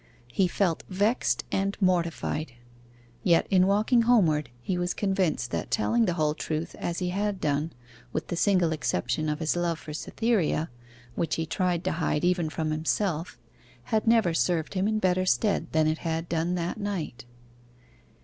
He felt vexed and mortified; yet in walking homeward he was convinced that telling the whole truth as he had done, with the single exception of his love for Cytherea (which he tried to hide even from himself), had never served him in better stead than it had done that night.